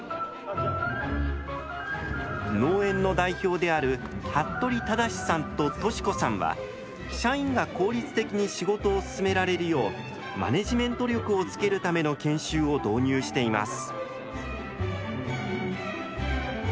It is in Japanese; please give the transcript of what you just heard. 農園の代表である服部忠さんと都史子さんは社員が効率的に仕事を進められるようマネジメント力をつけるための研修を導入しています。